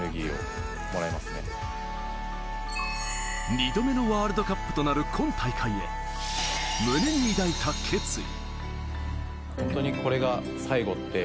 ２度目のワールドカップとなる今大会へ、胸に抱いた決意。